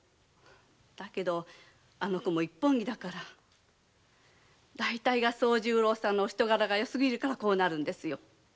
だけどあの娘も一本気だから。大体惣十郎さんのお人柄がよすぎるからこうなるんですよ。